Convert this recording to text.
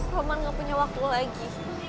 roman gak punya waktu lagi